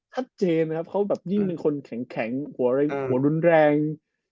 ชัดเจนนะครับเขาแบบยิ่งเป็นคนแข็งหัวรุนแรง